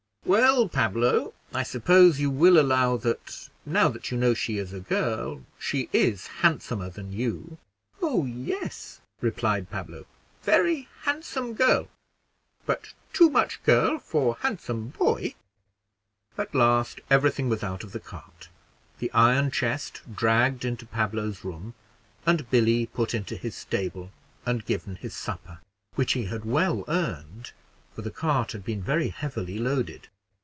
"Well, Pablo, I suppose you will allow that, now that you know she is a girl, she is handsomer than you?" "Oh yes," replied Pablo, "very handsome girl; but too much girl for handsome boy." At last every thing was out of the cart, the iron chest dragged into Pablo's room, and Billy put into his stable and given his supper, which he had well earned, for the cart had been very heavily loaded.